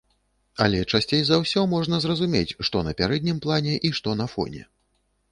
Але часцей за ўсё можа зразумець, што на пярэднім плане і што на фоне.